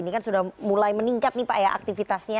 ini kan sudah mulai meningkat nih pak ya aktivitasnya